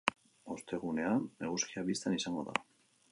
Ostegunean eguzkia bistan izango da.